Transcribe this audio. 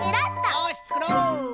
よしつくろう！